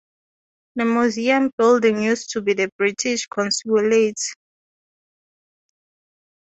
The museum building used to be the British consulate.